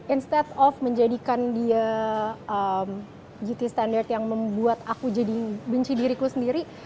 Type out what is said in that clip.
instead of menjadikan dia gt standard yang membuat aku jadi benci diriku sendiri